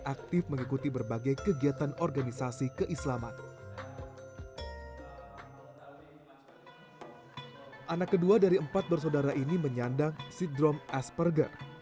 anak kedua dari empat bersaudara ini menyandang sindrom asperger